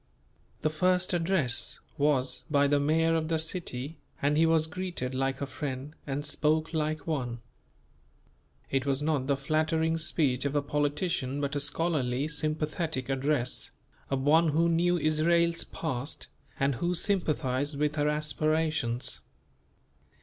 The first address was by the mayor of the city and he was greeted like a friend and spoke like one. It was not the flattering speech of a politician but a scholarly, sympathetic address, of one who knew Israel's past and who sympathized with her aspirations.